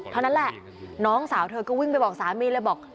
เท่านั้นแหละน้องสาวเธอก็วิ่งไปบอกสามีเลยบอก